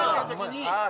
あ